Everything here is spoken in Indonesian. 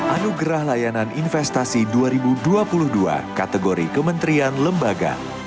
anugerah layanan investasi dua ribu dua puluh dua kategori kementerian lembaga